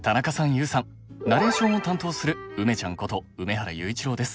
ＹＯＵさんナレーションを担当する梅ちゃんこと梅原裕一郎です。